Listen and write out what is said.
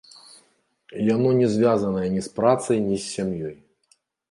Яно не звязанае ні з працай, ні з сям'ёй.